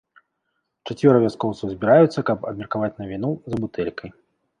Чацвёра вяскоўцаў збіраюцца каб абмеркаваць навіну за бутэлькай.